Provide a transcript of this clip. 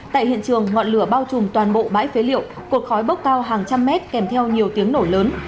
tại hiện trường ngọn lửa bao trùm toàn bộ bãi phế liệu cột khói bốc cao hàng trăm mét kèm theo nhiều tiếng nổ lớn